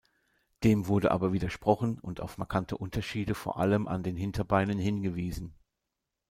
Dem wurde aber widersprochen und auf markante Unterschiede vor allem an den Hinterbeinen hingewiesen.